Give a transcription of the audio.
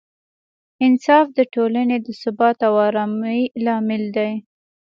انصاف د ټولنې د ثبات او ارامۍ لامل دی.